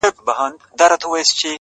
o نه لري هيـڅ نــنــــگ ـ